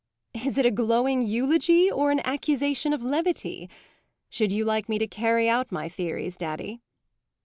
"Is it a glowing eulogy or an accusation of levity? Should you like me to carry out my theories, daddy?"